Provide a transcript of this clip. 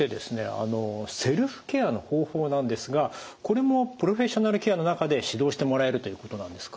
あのセルフケアの方法なんですがこれもプロフェッショナルケアの中で指導してもらえるということなんですか？